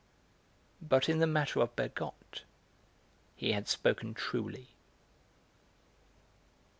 But in the matter of Bergotte he had spoken truly.